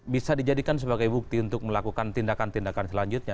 bisa dijadikan sebagai bukti untuk melakukan tindakan tindakan selanjutnya